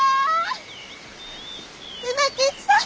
梅吉さん！